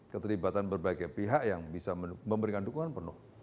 keterlibatan berbagai pihak yang bisa memberikan dukungan penuh